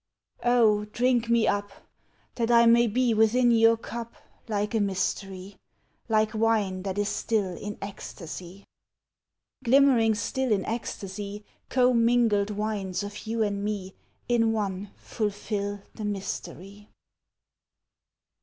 Oh drink me up That I may be Within your cup Like a mystery, Like wine that is still In ecstasy. Glimmering still In ecstasy, Commingled wines Of you and me In one fulfil The mystery.